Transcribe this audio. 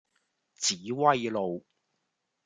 紫葳路